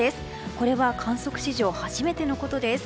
これは観測史上初めてのことです。